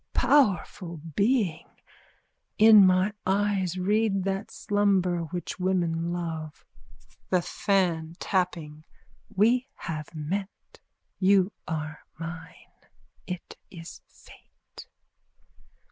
_ Powerful being. In my eyes read that slumber which women love. THE FAN: (Tapping.) We have met. You are mine. It is fate.